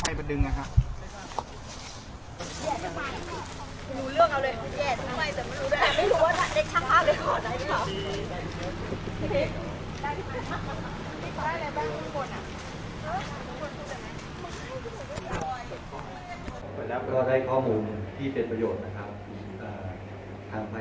แล้ววันนี้เขามันมีพยานหลักฐานอะไรมามอบให้กับประโยชน์บ้างไหมครับอ่า